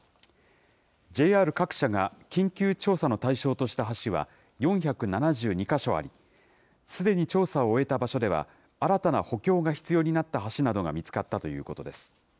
ＪＲ各社が緊急調査の対象とした橋は、４７２か所あり、すでに調査を終えた場所では新たな補強が必要になった橋などが見つかったということです。